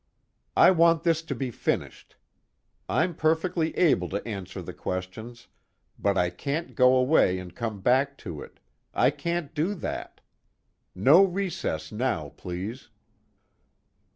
"I want this to be finished. I'm perfectly able to answer the questions, but I can't go away and come back to it, I can't do that. No recess now, please!"